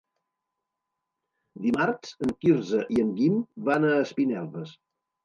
Dimarts en Quirze i en Guim van a Espinelves.